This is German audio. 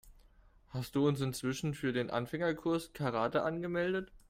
Hast du uns inzwischen für den Anfängerkurs Karate angemeldet?